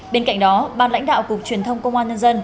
bên cạnh đó ban lãnh đạo cục truyền thông công an nhân dân